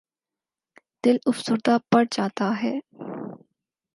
دل افسردہ پڑ جاتا ہے۔